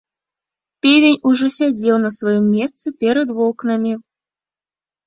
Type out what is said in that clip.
Певень ужо сядзеў на сваім месцы перад вокнамі.